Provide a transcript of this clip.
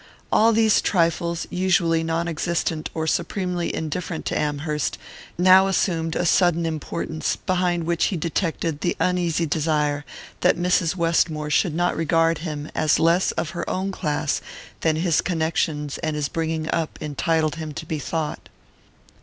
All these trifles, usually non existent or supremely indifferent to Amherst, now assumed a sudden importance, behind which he detected the uneasy desire that Mrs. Westmore should not regard him as less of her own class than his connections and his bringing up entitled him to be thought.